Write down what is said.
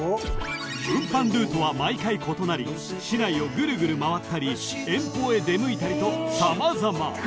［運搬ルートは毎回異なり市内をグルグル回ったり遠方へ出向いたりと様々］